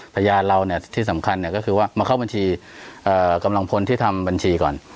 พยานเราเนี่ยที่สำคัญก็คือว่ามาเข้าบัญชีกำลังพลที่ทำบัญชีก่อน